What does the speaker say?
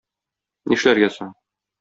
Нишләргә соң?